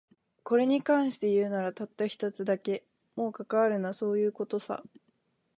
これに関して言うなら、たった一つだけ。もう関わるな、そういう事さ。